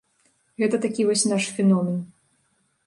Гэта такі вось наш феномен.